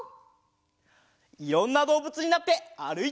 いろんなどうぶつになってあるいちゃうよ。